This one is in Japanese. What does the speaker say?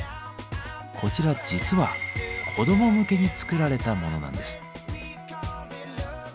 こちらは実は子ども向けに作られたものなんです。